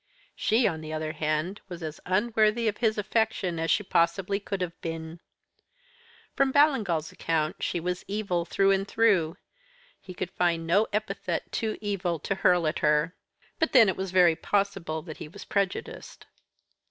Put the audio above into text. She, on the other hand, was as unworthy of his affection as she possibly could have been. From Ballingall's account she was evil through and through; he could find no epithet too evil to hurl at her. But then it was very possible that he was prejudiced.